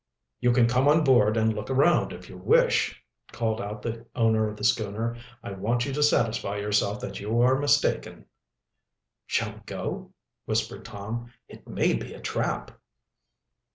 "You can come on board and look around, if you wish," called out the owner of the schooner. "I want you to satisfy yourself that you are mistaken." "Shall we go?" whispered Tom. "It may be a trap?"